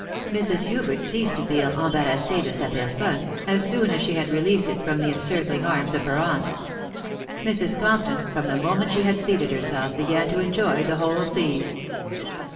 Mrs. Hubert ceased to feel embarrassee de sa personne as soon as she had released it from the encircling arms of her aunt. Mrs. Compton, from the moment she had seated herself, began to enjoy the whole scene.